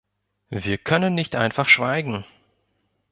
Wir können nicht einfach schweigen!